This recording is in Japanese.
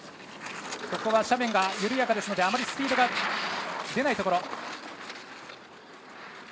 ここは斜面が緩やかですのであまりスピードが出ないところ。